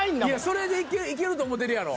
それでいけると思ってるやろ。